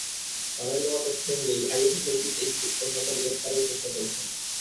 তাঁদের দেওয়া তথ্য অনুযায়ী, আইএসে যোগ দিতে ইচ্ছুক অন্যদের গ্রেপ্তারের চেষ্টা চলছে।